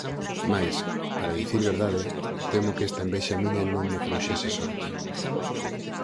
Mais, para dicir verdade, temo que esta envexa miña non me trouxese sorte.